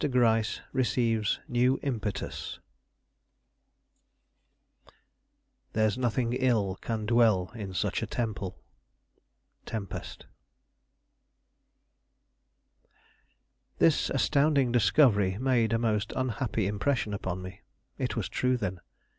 GRYCE RECEIVES NEW IMPETUS "There's nothing ill Can dwell in such a temple." Tempest. This astounding discovery made a most unhappy impression upon me. It was true, then.